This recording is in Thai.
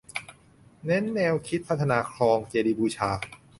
เน้นแนวคิดพัฒนาคลองเจดีย์บูชา